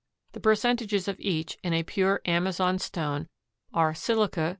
The percentages of each in a pure amazonstone are silica 64.